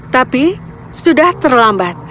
tapi sudah terlambat